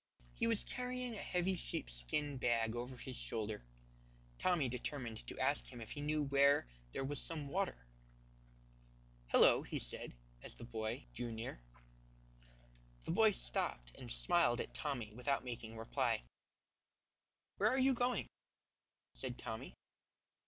He was carrying a heavy sheepskin bag over his shoulder. Tommy determined to ask him if he knew where there was some water. "Hello," he said, as the boy drew near. The boy stopped and smiled at Tommy without making reply. "Where are you going?" said Tommy.